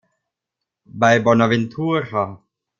Bei Bonaventura.